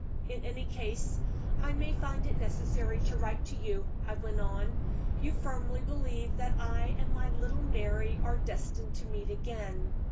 "In any case, I may find it necessary to write to you," I went on. "You firmly believe that I and my little Mary are destined to meet again.